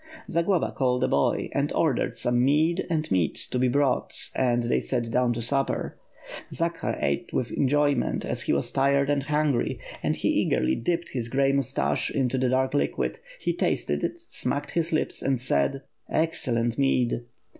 Zaeloba called a boy and ordered some mead and meat to be brought and they sat down to supper. Zakhar eat with enjoyment as he was tired and hungry, and he eagerly dipped his grey moustache into the dark liquid, he tasted it, smacked his lips, and said: "Excellent mead!"